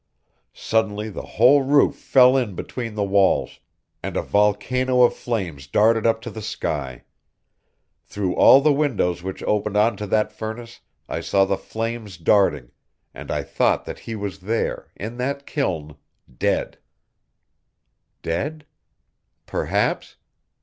Suddenly the whole roof fell in between the walls, and a volcano of flames darted up to the sky. Through all the windows which opened onto that furnace I saw the flames darting, and I thought that he was there, in that kiln, dead. Dead? perhaps?...